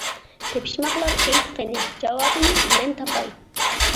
تېپىشماقلار ئېيت قېنى، جاۋابىنى مەن تاپاي.